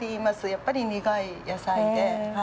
やっぱり苦い野菜で。